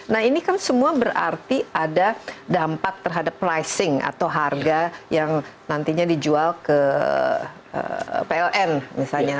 nah ini kan semua berarti ada dampak terhadap pricing atau harga yang nantinya dijual ke pln misalnya